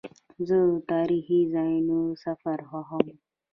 زه د تاریخي ځایونو سفر خوښوم.